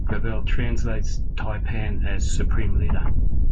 Clavell translates Tai-Pan as "Supreme Leader".